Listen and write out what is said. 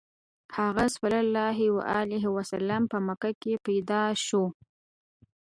هغه ﷺ په مکه کې پیدا شو.